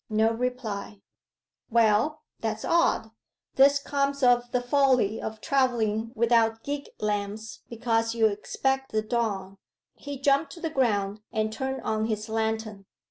No reply. 'Well, that's odd this comes of the folly of travelling without gig lamps because you expect the dawn.' He jumped to the ground and turned on his lantern.